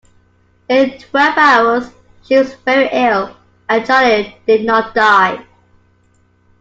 In twelve hours she was very ill. And Charley did not die.